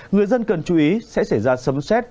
người dân cần chú ý sẽ xảy ra sấm xét